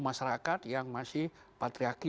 masyarakat yang masih patriarki